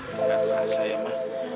nggak terasa ya ma